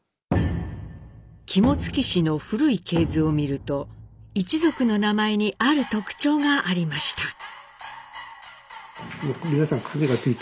肝付氏の古い系図を見ると一族の名前にある特徴がありました。